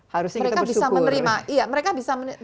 harusnya kita bersyukur